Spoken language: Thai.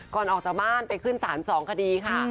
ก่อนออกจากบ้านไปขึ้นศาล๒คดีค่ะ